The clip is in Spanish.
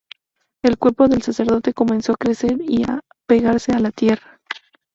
El cuerpo del sacerdote comenzó a crecer y a pegarse a la tierra.